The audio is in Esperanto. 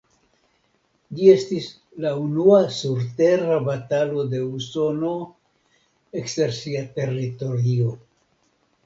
Ĝi estis la unua surtera batalo de Usono ekster sia teritorio.